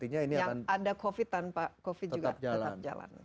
yang ada covid tanpa covid juga tetap jalan